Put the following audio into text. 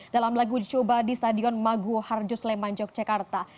dalam lagu uji coba di stadion magu harjuslemanjok jakarta